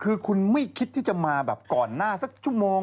คือคุณไม่คิดที่จะมาแบบก่อนหน้าสักชั่วโมง